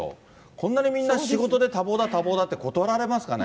こんなにみんな仕事で多忙だ、多忙だって断られますかね。